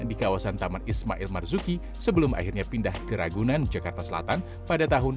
di kawasan taman ismail marzuki sebelum akhirnya pindah ke ragunan jakarta selatan pada tahun seribu sembilan ratus enam puluh sembilan